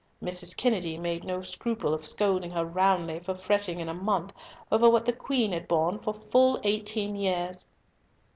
Mrs. Kennedy made no scruple of scolding her roundly for fretting in a month over what the Queen had borne for full eighteen years.